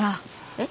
えっ？